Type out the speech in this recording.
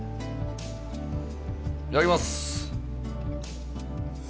いただきます。